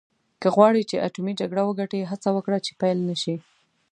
که غواړې چې اټومي جګړه وګټې هڅه وکړه چې پیل نه شي.